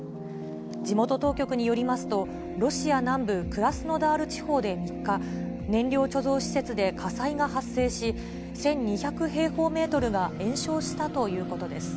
地元当局によりますと、ロシア南部クラスノダール地方で３日、燃料貯蔵施設で火災が発生し、１２００平方メートルが延焼したということです。